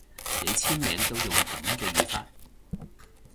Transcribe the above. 你簽名都用噉嘅語法